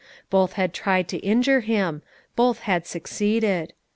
Both had tried to injure him; both had succeeded.